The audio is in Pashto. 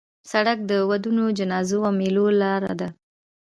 سړک د ودونو، جنازو او میلو لاره ده.